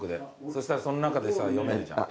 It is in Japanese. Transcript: そしたらその中で読めるじゃん。